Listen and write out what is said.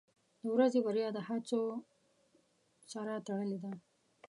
• د ورځې بریا د هڅو سره تړلې ده.